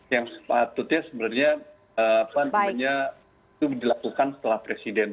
yang sepatutnya sebenarnya itu dilakukan setelah presiden